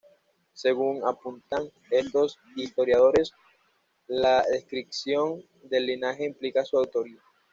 Según apuntan estos historiadores, la descripción del linaje implica su autoría.